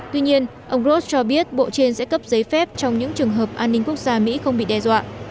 tuy nhiên ông rods cho biết bộ trên sẽ cấp giấy phép trong những trường hợp an ninh quốc gia mỹ không bị đe dọa